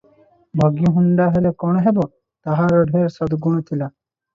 ଭଗି ହୁଣ୍ତା ହେଲେ କଣ ହେବ, ତାହାର ଢେର ସଦଗୁଣ ଥିଲା ।